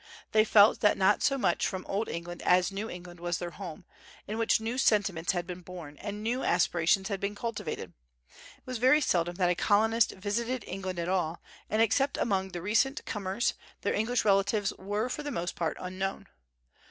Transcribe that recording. They felt that not so much Old England as New England was their home, in which new sentiments had been born, and new aspirations had been cultivated. It was very seldom that a colonist visited England at all, and except among the recent comers their English relatives were for the most part unknown.